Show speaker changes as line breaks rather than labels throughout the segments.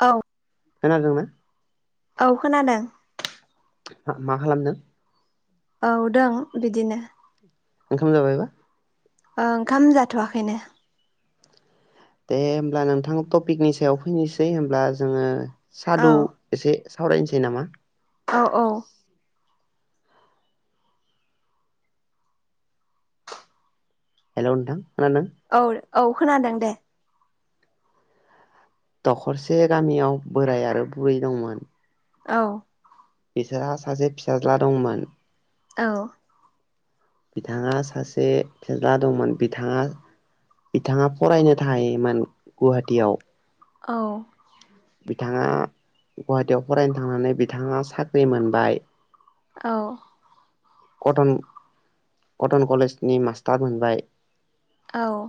औ।
खोनादोंना?
औ खोनादों।
ओ मा खालामदों?
औ दों बिदिनो।
ओंखाम जाबायबा?
ओ ओंखाम जाथ'वाखैनो।
दे ओमब्ला नोंथां टपिकनि सायाव फैनोसै होमब्ला जोङो
औ
सादु एसे सावरायनोसै नामा?
औ औ।
हेल' नोंथां खोनादों
औ औ खोनादों दे
दखरसे गामियाव बोराइ आरो बुरै दंमोन
औ
बिसोरहा सासे फिसाज्ला दंमोन
औ
बिथाङा सासे फिसाज्ला दंमोन बिथाङा बिथाङा फरायनो थाहोयोमोन गुवाहाटियाव
औ
बिथाङा गुवाहाटियाव फरायनो थांनानै बिथाङा साख्रि मोनबाय
औ
कटन कटन कलेजनि मास्टार मोनबाय
औ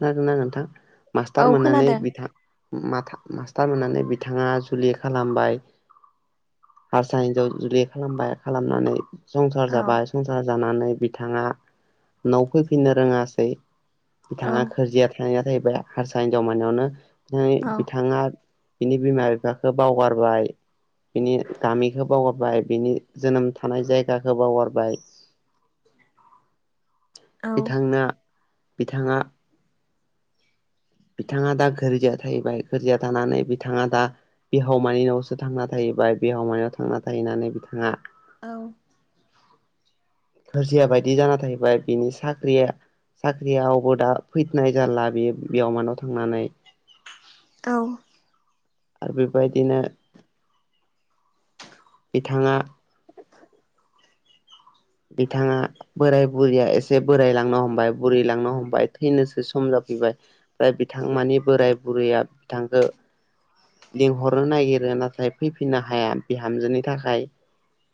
खोनादोंना नोंथां
औ
मास्टार मोननानै
खोनादों
बिथां माथा मास्टार मोननानै बिथाङा जुलि खालामबाय हारसा हिन्जाव जुलि खालामबाय खालामनानै संसार
औ
जाबाय संसार जानानै बिथाङा न'आव फैफिननो रोङासै
औ
बिथाङा गोरजिया थाहैना थाबाय हारसा हिनजाव मोननियावनो ओमफ्राय
औ
बिथाङा बिनि बिमा बिफाखौ बावगारबाय बिनि गामिखौ बावगारबाय बिनि जोनोम थानाय जायगाखौ बावगारबाय
औ
बिथांना बिथाङा बिथाङा दा गोर्जिया थाहैबाय गोर्जिया थानानै बिथाङा दा बिहावमोनियावसो थांना थाहैबाय बिहावमोनियाव थांना थाहैनानै बिथाङा
औ
गोरजिया बायदि जाना थाहैबाय बिनि साख्रिया साख्रियावआवबो दा फैनाय जाला बेयो बिहावमोनाव थांनानै
औ
आरो बेबायदिनो बिथाङा बिथाङा बोराइ बुरैया एसे बोरायलांनो हमबाय बुरै लांनो हमबाय थैनोसो सम जाफैबाय ओमफ्राय बिथां मानि बोराइ बुरैया बिथांखो लिंहरनो नागिरो नाथाय फैफिननो हाया बिहामजोनि थाखाय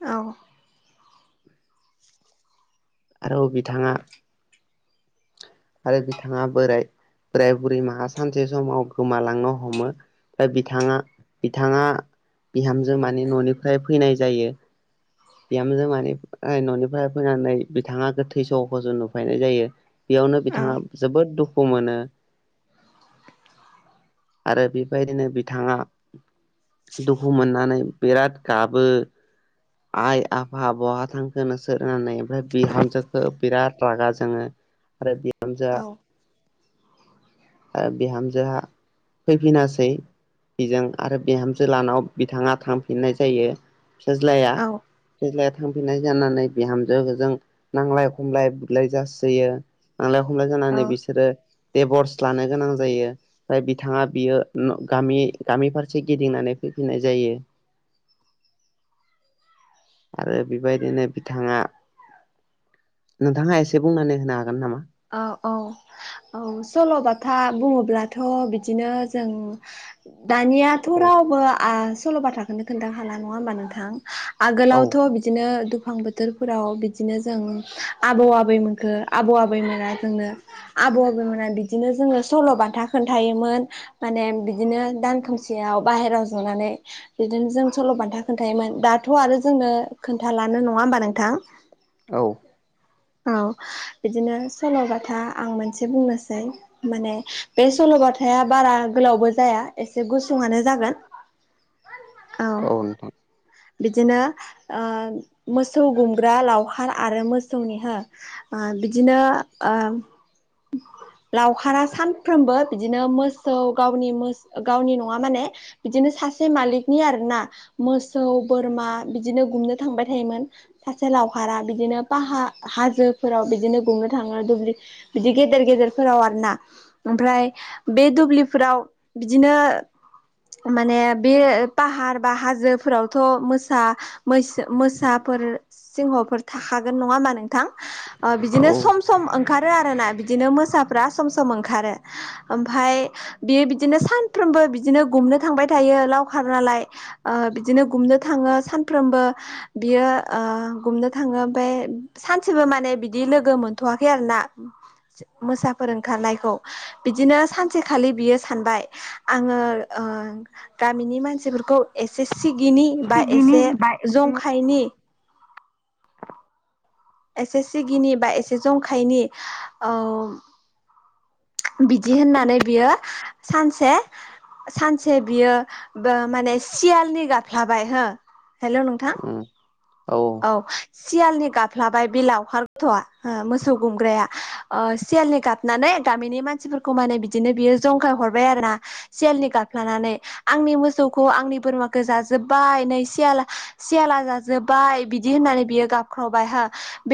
औ
[inaudible] आरो बिथाङा आरो बिथाङा बोराय बोराय बुरै माहा सानसे समाव गोमालांनो हमो ओफ्राय बिथाङा बिथाङा बिहामजो माने न'निफ्राय फैनाय जायो। बिहामजो मानि न'निफ्राय फैनानै बिथाङा गोथै सहखौसो नुफैनाय जायो। बेयावनो बिथाङा जोबोद दुखु मोनो आरो बेबायदिनो बिथाङा दुखु मोननानै बिराद गाबो आइ आफा बहा थांखो नोंसोर होनानै ओमफ्राय बिहामजोखौ बिराद रागा जोङो आरो बिहामजोआ
[inaudible] [inaudible]
आरो बिहामजोआ फैफिनासै बेजों आरो बिहामजो लाहानाव बिथाङा थांफिननाय जायो। फिसाज्लाया ओजोहाय थांफिननाय जानानै बिहामजोजों नांलाय खमलाय बुलाय जासोयो नांलाय खमलाय
औ
जानानै बिसोरो देभर्स लानो गोनां जायो ओमफ्राय बिथाङा बियो गामि गामि फारसे गिदिंनानै फैफिननाय जायो। आरो बेबायदिनो बिथाङा नोंथाङा एसे बुंनानै होनो हागोन नामा?
औ औ औ सल'बाथा बुङोब्लाथ' बिदिनो जों दानियाथ'
औ
रावबो ओ सल' बाथ्राखौनो खोनथा हाला नङा होमबा नोंथां
औ
आगोलावथ' बिदिनो दुफां बोथोर बोथोरफोराव बिदिनो जों आबौ आबै मोनखो आबौ आबैमोना जोंनो आबौ आबौमोनहा बिदिनो जोङो सल' बाथा खोन्थायोमोन। माने बिदिनो दान खोमसियाव बाहेरायाव जनानै बिदिनो जों सल' बान्था खोन्थायोमोन दाथ' आरो जोंनो खोन्थालानो नङा होमबा नोंथां?
औ
औ बिदिनो सल'बाथा आं मोनसे बुंनोसै माने बे सल'बथाया बारा गोलावबो जाया एसे गुसुआनो जागोन। औ बिदिनो ओ मोसौ गुमग्रा लावखार आरो मोसौ सौनि हो बिदिनो ओ लावखारा सानफ्रोमबो बिदिनो मोसौ गावनि मोस ओ गावनि नङा माने बिदिनो सासे मालिकनि आरोना मोसौ बोरमा बिदिनो गुमनो थांबाय थायोमोन। सासे लावखारा बिदिनो बाहा हाजोफोराव बिदिनो गुमनो थाङो दुब्लि बिदि गेदेर गेदेरफोराव आरो ना ओमफ्राय बे दुब्लिफोराव बिदिनो माने बे पाहार बा हाजोफोरावथ' मोसा मैसो मै मोसाफोर सिंहफोर थाखागोन नङा हा नोंथां बिदिनो
औ।
सम सम ओंखारो आरोना बिदिनो मोसाफ्रा सम सम ओंखारो ओमफ्राय बियो बिदिनो सानफ्रोमबो बिदिनो गुमनो थांबाय थायो लावखार नालाय ओ बिदिनो गुमनो थाङो सानफ्रोमबो बियो ओ गुमनो थाङो ओमफ्राय सानसेबो माने बिदि लोगो मोनथ'वाखै आरोना मोसा फोर ओंखारनायखौ बिदिनो सानसेखालि बियो सानबाय आङो ओ गामिनि मानसिफोरखौ एसे सिगिनि बा
सिगिनि
एसे
बा एसे
जंखायनि एसे सिगिनि बा एसे जंखायनि बिदि होननानै बियो सानसे सानसे बियो माने बो सियालनि गाफ्लाबाय हो हेल' नोंथां
उम
औ सियालनि गाबफ्लाबाय बे लावखार गथ'आ हो मोसौ गुमग्राया ओ सियालनि गाबनानै गामिनि मानसिफोरखौ माने बिदिनो बियो जंखाय हरबाय आरो ना सियालनि गफ्लानानै आंनि मोसौखौ आंनि बोरमाखौ जाजोब्बाय नै सियाल सियाला जाजोब्बाय बिदि होननानै बियो गाबख्रावबाय हो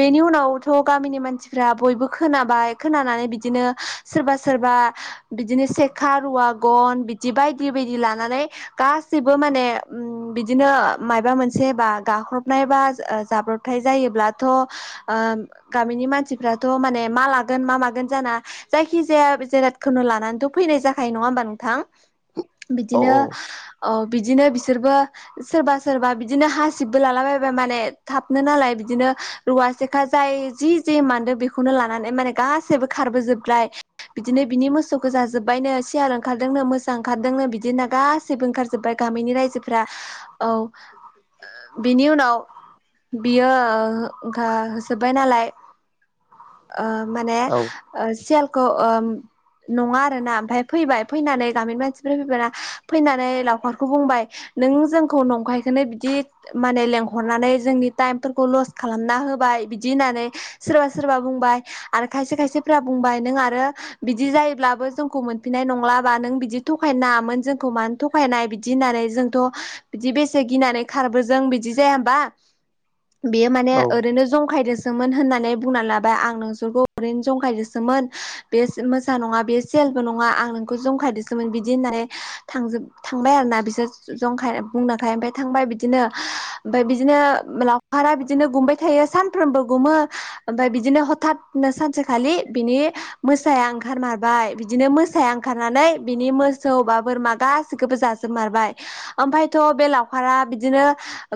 बेनि उनावथ' गामिनि मानसिफ्रा बयबो खोनाबाय खोनानानै बिदिनो सोरबा सोरबा बिदिनो सेखा रुवा गन बिदि बायदि बायदि लानानै। गासिबो माने बिदिनो मायबा मोनसे बा गाख्रबनाय बा जाब्रबथाय जायोब्ला थ' ओ गामिनि मानसिफ्राथ' माने मा लागोन मा मागोन जाना। जायखिजाया जिरादखौनो लानानैथ' फैनाय जाखायो नङा होमबा नोंथां?
औ
बिदिनो औ बिदिनो बिसोरबो सोरबा सोरबा बिदिनो हासिबबो लालाबाय बाय माने थाबनो नालाय बिदिनो रुवासेखा जाय जि जि मानदों बेखौनो खौनो लानानै माने गाससिबो खारबोजोबबाय बिदिनो बिनि मोसौखौ जाजोब्बायनो सियार ओंखारदोंनो मोसा ओंखारदोंनो बिदिनो गासैबो। बो ओंखारजोब्बाय गामिनि रायजोफोरा औ बेनि उनाव बियोखा होसोब्बाय नालाय ओ माने
औ
सियालखौ ओम नङा आरोना ओमफफ्राय फैबाय फैनानै गामिनि मानसिफोर फैबायाना फैनानै लावखारखौ बुंबाय नों जोंखौ नंखायखौनो बिदि माने लेंर हरनानै जोंनि टाइमफोरखौ लस्ट खालामना होबाय बिदि होननानै सोरबा सोरबा बुंबाय आरो खायसे खायसेफ बुंबाय नों आरो बिदि जायोब्लाबो जोंखौ मोनफिननाय नंलाबा नों बिदि थगायनो नाङामोन जोंखौ मानो थ उफायनाय बिदि होननानै जोंथ' बिदि बेसे गिनानै खारबो जों बिदि जाया होनबा बेयो माने
औ
ओरैनो जंखायदोंसो होननानै बुंना लाबाय आं नोंसोरखौ ओरैनो जंखायदसोमोन बे मोजां नङा बे सेलबो नङा आं नोंखौ जंखायदोंसोमोन बिदि होननानै थांजोब थांबाय आरोना बिसोर। जंखाय बुंनोखाय ओमफ्राय थांबाय बिदिनो ओमफफ्राय बिदिनो लावखारा बिदिनो गुमबाय थायो सानफ्रोमबो गुमो ओमफ्राय बिदिनो हथतनो सानसेखालि बिनि मोसाया ओंखार मारबाय बिदिनो मोसाया ओंखारनानै बिनि मोसौ बा बोरमा गासिखौबो जाजोबमारबाय। ओमफायथ' बे लावखारा बिदिनो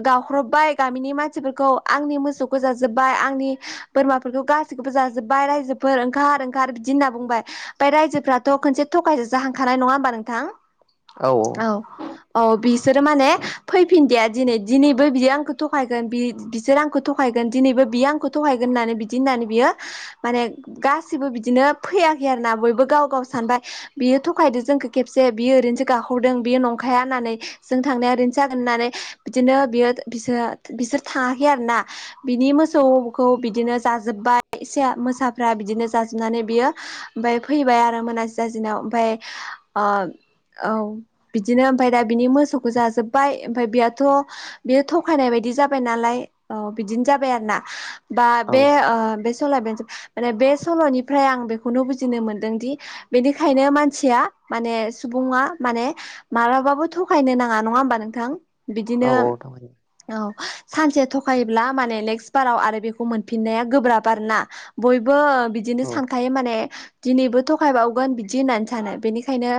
गावह्रबबाय गामिनि मानसिफोरखौ आंनि मोसौखौ जाजोब्बाय आंनि बोरमाफोरखौ गासैखौबो जाजोब्बाय रायजोफोर ओंखार ओंखार बिदि होनना बुंबाय। ओमफ्राय रायजोफ्राथ' खनसे थगायस जाहांखानाय नङा होमबा नोंथां? औ औ बिसोरो माने फैफिनदिया दिनै दिनैबो बियो आंखौ थगायगोन बि बिसोर आंखौ थगायगोन दिनैबो बियो आंखौ थगायगोन होननानै बिदि होननानै बियो माने गासिबो बिदिनो फैयाखै आरोना बयबो गाव गाव सानबाय बियो थगायदो जोंखौ खेबसे बियो ओरैनोसो गाहरदों बियो नंखाया होननानै। जों थांनाया ओरैनो जागोन होननानै बिदिनो बियो बिसोर बिसोर थाङाखै आरोना। बिनि मोसौखौ बिदिनो जाजोबबाय मोसाफ्रा बिदिनो जाजोबनानै बियो ओमफ्राय फैबाय आरो मोनाास जाजनायाव ओमफ्राय अ औ बिदिनो ओमफफ्राय दा बिनि मोसौखौ जाजोब्बाय ओमफफ्राय बि थ' बियो थखायनाय बायदि जाबाय नालाय औ बिदिनो जाबाय आरो ना। बा
औ।
बे बे सलाय बे माने बे सल'निफ्राय आं बेखौनो बुजिनो मोनदोंदि बेनिखायनो मानसिया माने सुबुङा माने मालाबाबो थगायनो नाङा नङा होमबा नोंथां
औ
बिदिनो
औ थांबाय
औ सानसे थखायोब्ला माने नेक्स्ट बाराव आरो बेखौ मोनफिन्नाया गोब्राब आरो ना। बयबो बिदिनो
औ
सानखायो माने दिनैबो थखायबावगोन बिदि होननानै सानो बेनिखायनो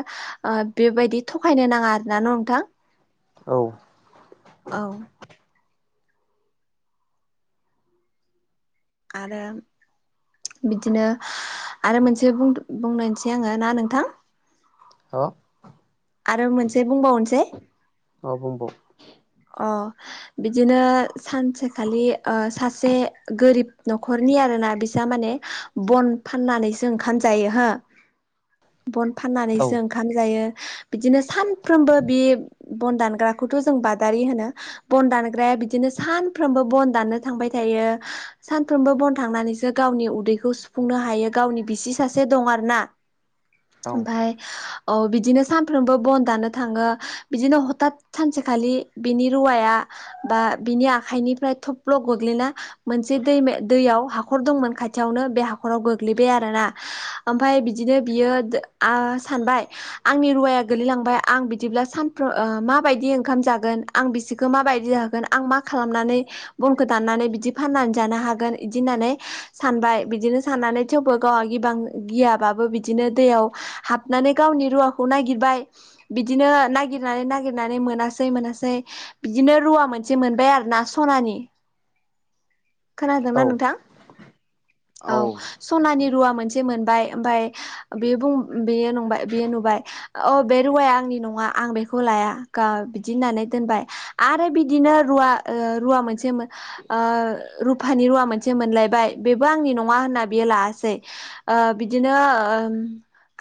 ओ बेबायदि थगायनो नाङा आरोना न' नोंथां?
औ
औ आरो बिदिनो आरो मोनसे बुंनायसै आङो ना नोंथां?
हा
आरो मोनसे बुंबावनोसै।
मा बुंबाव
अ बिदिनो सानसेखालि ओ सासे गोरिब न'खरनि आरोना बिसा माने। बन फाननानैसो ओंखाम जायो हो
[inaudible]
बन
औ
फाननानैसो ओं ओंखाम जायो बिदिनो सानफ्रोमबो बि बन दानग्राखौथ' जों बादारि होनो। बन दानग्राया बिदिनो सानफ्रोमबो बन दाननो थांबाय थायो। सानफ्रोमबो बन थांनानैसो गावनि उदैखौ सुफुंनो हायो गावनि बिसि सासे दं आर ना।
[inaudible]
ओमफाय औ बिदिनो सानफ्रोमबो बन दानो थांङो बिदिनो हथात सानसेखालि बिनि रुवाया बा बिनि आखाइनिफ्राय थब्ल' गोग्लैना मोनसे दै दैयाव हाखर दंमोन खाथियावनो बे हाखराव गोग्लैबाय आरोना ओमफ्राय बिदिनो बियो ओ सानबाय आंनि रुवाया गोगलैलांबाय आं बिदिब्ला सानफ्रोम ओ माबायदि ओंखाम जागोन आं बिसोरखौ माबायदि जाहोगोन आं मा खालामनानै बनखौ दाननानै बिदि फाननानै जानो हागोन इदि होननानै सानबाय बिदिनो साननानै थेवबो गावहा गिबां गियाबाबो बिदिनो दैयाव हाब हाब मनानैे गावनि रुवाखौ नागिरबाय बिदिनो नागिरनानै नागिरनानै मोनासै मोनासै बिदिनो रुवा मोनसे मोनबाय आरो ना सनानि खोनादोंना
औ
नोंथां औ सनानि रुवा मोनसे मोनबाय ओमफाय बे बुं बेयो नुबाय बेयो नुबाय औ बे रुवाया आंनि नंङा आं बेखौ लाया बिदि होननानै दोनबाय आरो बिदिनो रुवा ओ रुवा मोनसे ओ रुफानि रुवा मोनसे मोनलायबाय बेबो आंनि नंङा होनना बियो लायासै ओ बिदिनो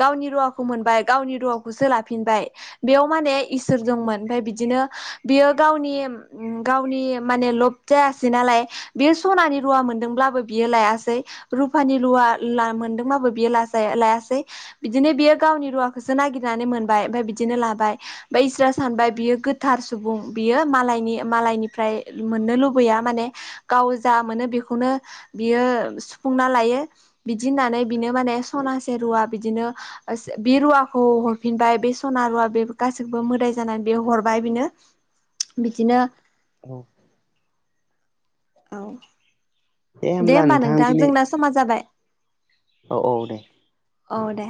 गावनि रुवाखौ मोनबाय गावनि रुवाखौसो लाफिनबाय बेयाव माने इसोर दंमोन ओमफाय बिदिनो बियो गावनि उम गावनि माने लब जायासै नालाय बे सनानि रुवा मोनदोंब्लाबो बियो लायासै रुपानि रुवा मोनदों बाबो बियो लायासै बिदिनो बियो गावनि रुवाखौसो नागिरनानै मोनबाय ओमफाय बिदिनो लाबाय ओमफाय इसोरा सानबाय बियो गोथार सुबुं बियो मालायनि मालायनिफ्राय मोननो लुबैया माने गाव जा मोनो बेखौनो बियो सुफुंना लायो। बिदि होननानै बिनो माने सनासे रुवा बिदिनो बे रुवाखौ हरफिनबाय बे सना रुवा बे गासैबो मोदाय जानानै बे हर बाय बिनो बिदिनो
औ
औ दे होमबा नोंथां जोंना समा जाबाय
औ औ दे
औ दे